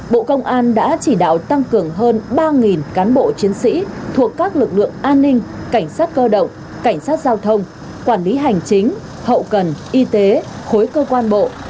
bộ công an đã chỉ đạo tăng cường hơn ba cán bộ chiến sĩ thuộc các lực lượng an ninh cảnh sát cơ động cảnh sát giao thông quản lý hành chính hậu cần y tế khối cơ quan bộ